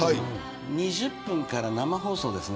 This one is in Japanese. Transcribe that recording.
２０分から生放送ですね。